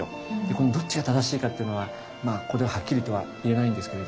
このどっちが正しいかっていうのはここでははっきりとは言えないんですけれども。